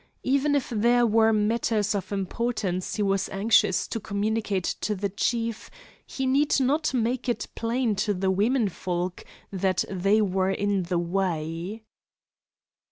Even if there were matters of importance he was anxious to communicate to his chief, he need not make it plain to the women folk that they were in the way.